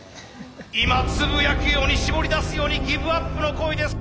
今つぶやくように絞り出すようにギブアップの声です。